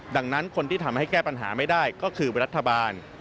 ดังนั้นคนที่ทำให้แก้ปัญหาไม่ได้ก็คือรัฐบาล